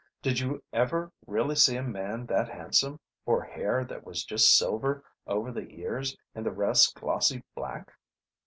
Did you ever really see a man that handsome, or hair that was just silver over the ears and the rest glossy black?